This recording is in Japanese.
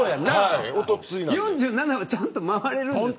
４７はちゃんと周れるんですか。